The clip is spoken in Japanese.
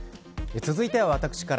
続いては、私から。